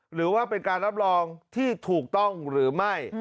หรือว่าเป็นการรับรองที่ถูกต้องหรือไม่